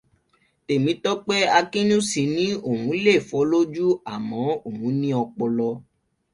Tèmítọ́pé Akínnúsì ní òun lè fọ́ lójú àmọ́ òun ní ọpọlọ.